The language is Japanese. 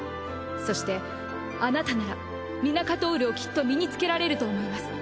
そしてあなたならミナカトールをきっと身につけられると思います。